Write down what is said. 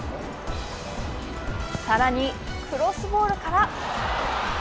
さらにクロスボールから。